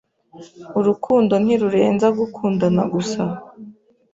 Urukundo ntirurenze gukundana gusa. (carlosalberto)